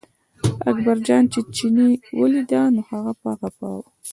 اکبرجان چې چیني ولیده، نو هغه په غپا و.